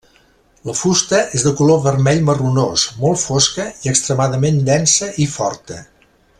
La fusta és de color vermell marronós molt fosca i extremadament densa i forta.